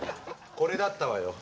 これだったわよ。